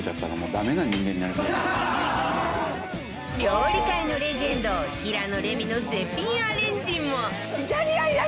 料理界のレジェンド平野レミの絶品アレンジも